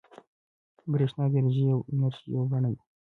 برېښنا د انرژۍ یوه بڼه ده.